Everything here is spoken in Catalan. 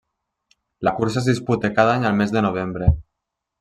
La cursa es disputa cada any al mes de novembre.